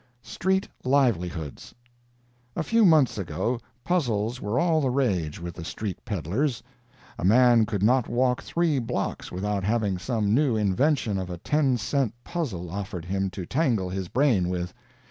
STREET LIVELIHOODS A few months ago "puzzles" were all the rage with the street peddlers. A man could not walk three blocks without having some new invention of a ten cent puzzle offered him to tangle his brain with.